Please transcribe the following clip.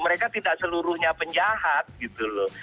mereka tidak seluruhnya penjahat gitu loh